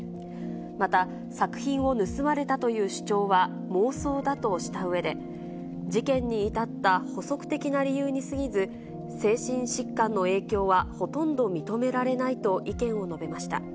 また作品を盗まれたという主張は妄想だとしたうえで、事件に至った補足的な理由にすぎず、精神疾患の影響はほとんど認められないと意見を述べました。